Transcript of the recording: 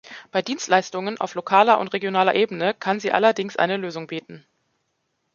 Bei Dienstleistungen auf lokaler und regionaler Ebene kann sie allerdings eine Lösung bieten.